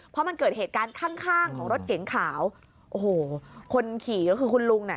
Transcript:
เพราะมันเกิดเหตุการณ์ข้างข้างของรถเก๋งขาวโอ้โหคนขี่ก็คือคุณลุงน่ะ